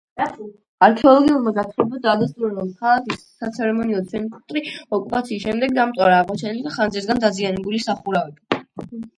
არქეოლოგიურმა გათხრებმა დაადასტურა, რომ ქალაქის საცერემონიო ცენტრი ოკუპაციის შემდეგ დამწვარა, აღმოჩენილია ხანძრისგან დაზიანებული სახურავები.